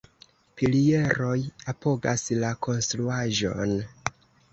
Pilieroj apogas la konstruaĵon.